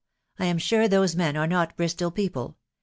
I am sure those men are net Bristol people..